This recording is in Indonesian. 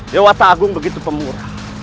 dewa ta'agung begitu pemurah